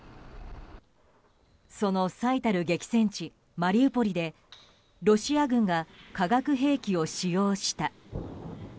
その最たる激戦地マリウポリでロシア軍が化学兵器を使用した。